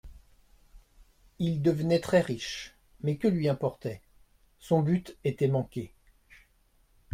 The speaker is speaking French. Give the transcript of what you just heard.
Il devenait très riche, mais que lui importait ? son but était manqué.